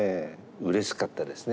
うれしかったですね。